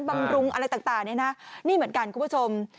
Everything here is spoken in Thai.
บำรุงอะไรต่างนี่เหมือนกันคุณผู้ชม